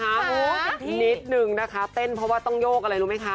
สาวเกี่ยวกับพี่นิดหนึ่งนะคะเต้นเพราะว่าต้องโยกอะไรรู้ไหมคะ